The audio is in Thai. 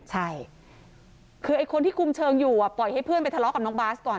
ใช่คือไอ้คนที่คุมเชิงอยู่ปล่อยให้เพื่อนไปทะเลาะกับน้องบาสก่อน